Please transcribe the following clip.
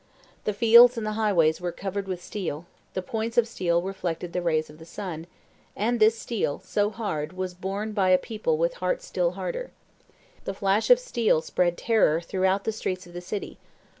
The fields and the highways were covered with steel: the points of steel reflected the rays of the sun; and this steel, so hard, was borne by a people with hearts still harder. The flash of steel spread terror through out the streets of the city.